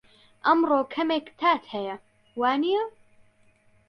ئەمڕۆ کەمێک تات هەیە، وانییە؟